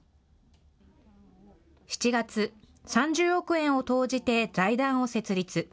７月、３０億円を投じて財団を設立。